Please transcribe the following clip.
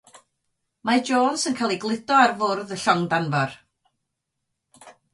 Mae Jones yn cael ei gludo ar fwrdd y llong danfor.